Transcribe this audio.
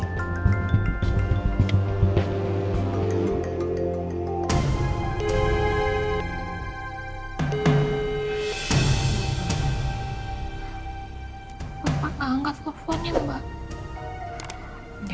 bapak gak angkat telfonnya mbak